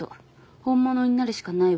本物になるしかないわ。